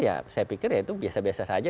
ya saya pikir ya itu biasa biasa saja